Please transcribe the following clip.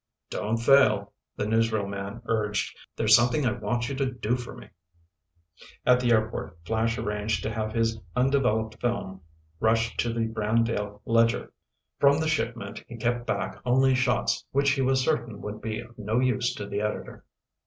"Don't fail," the newsreel man urged, "there's something I want you to do for me." At the airport Flash arranged to have his undeveloped film rushed to the Brandale Ledger. From the shipment he kept back only shots which he was certain would be of no use to the editor.